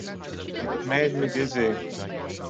It made me dizzy.